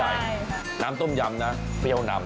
ใช่น้ำต้มยำนะเปรี้ยวนำ